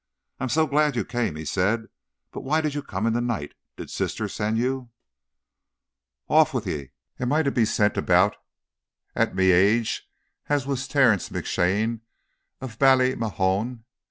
"I'm so glad you came," he said; "but why did you come in the night? Did sister send you?" "Off wid ye! Am I to be sint about, at me age, as was Terence McShane, of Ballymahone?